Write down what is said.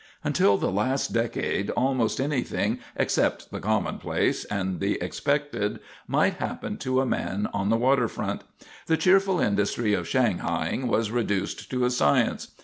Until the last decade almost anything except the commonplace and the expected might happen to a man on the waterfront. The cheerful industry of shanghaing was reduced to a science.